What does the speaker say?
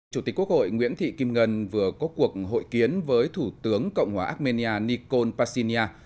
chủ tịch quốc hội nguyễn thị kim ngân vừa có cuộc hội kiến với thủ tướng cộng hòa armenia nikol pashinya